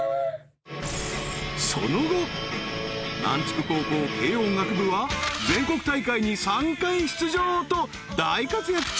［その後南筑高校軽音楽部は全国大会に３回出場と大活躍中］